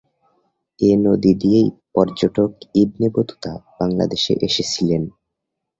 এ নদী দিয়েই পর্যটক ইবনে বতুতা বাংলাদেশে এসেছিলেন।